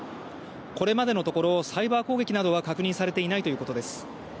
これまでのところサイバー攻撃などは確認されていないということです。